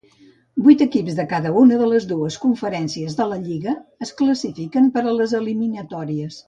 Vuit equips de cada una de les dues conferències de la lliga es classifiquen per a les eliminatòries.